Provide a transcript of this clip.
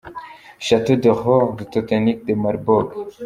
Chateau de l’ordre Teutonique de Malbork.